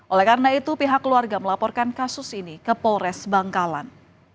oleh karena itu pihak keluarga melaporkan kasus ini ke polres bangkalan